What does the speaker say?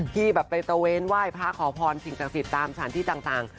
ที่แบบไปตะเวนไหว้พระขอพรสิ่งศักดิ์สิทธิ์ตามสถานที่ต่าง